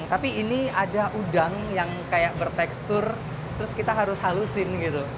tapi ini ada udang yang bertekstur yang harus kita haluskan